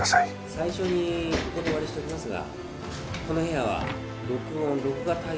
「最初にお断りしておきますがこの部屋は録音・録画対応」